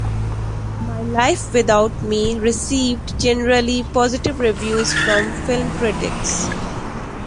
"My Life Without Me" received generally positive reviews from film critics.